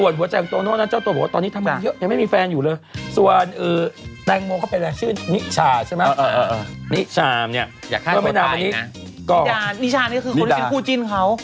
นิดานิชานนี่ก็คือคนที่เป็นกู้จินเขา